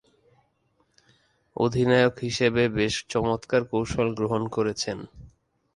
অধিনায়ক হিসেবে বেশ চমৎকার কৌশল গ্রহণ করেছেন।